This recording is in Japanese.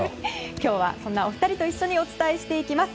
今日はそんなお二人と一緒にお伝えしていきます。